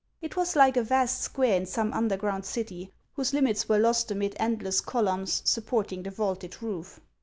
It was like a vast square in some underground city, whose limits were lost amid endless columns supporting the vaulted roof.